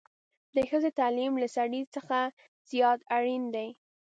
د ښځې تعليم له سړي څخه زيات اړين دی